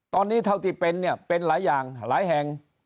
ตอนนี้เท่าที่เป็นเนี่ยเป็นหลายอย่างหลายแห่ง